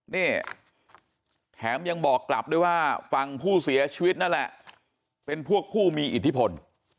นี่แถมยังบอกกลับด้วยว่าฝั่งผู้เสียชีวิตนั่นแหละเป็นพวกผู้มีอิทธิพล